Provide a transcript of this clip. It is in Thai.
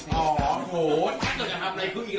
เหมาะเก่าเหมาะหน้า